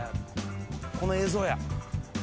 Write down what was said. この映像や。